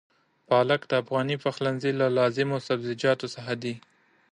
پالک د افغاني پخلنځي له لازمو سبزيجاتو څخه دی.